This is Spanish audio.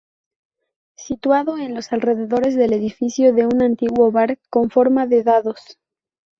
Situado en los alrededores del edificio de un antiguo bar, con forma de dados.